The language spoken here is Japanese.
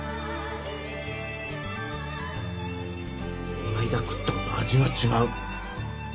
この間食ったのと味が違う。